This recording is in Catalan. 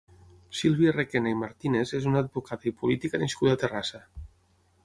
Sílvia Requena i Martínez és una advocada i política nascuda a Terrassa.